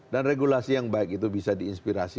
dan regulasi yang baik itu bisa diinspirasi